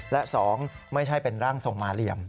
และ๒ไม่ใช่เป็นร่างทรงมาเหลี่ยม